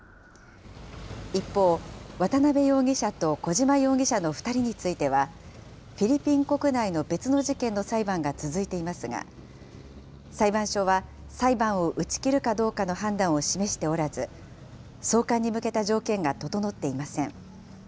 一方、渡邉容疑者と小島容疑者の２人については、フィリピン国内の別の事件の裁判が続いていますが、裁判所は裁判を打ち切るかどうかの判断を示しておらず、送還に向けた条件が整っていません。